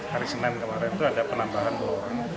hari senin kemarin itu ada penambahan dua orang